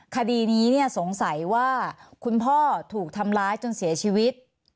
คดีนี้สงสัยว่าคุณพ่อถูกทำร้ายจนเสียชีวิต